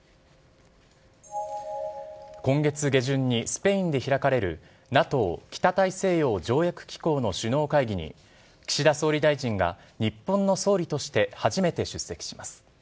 今月下旬にスペインで開かれる、ＮＡＴＯ・北大西洋条約機構の首脳会議に、岸田総理大臣が日本の総理として初めて出席します。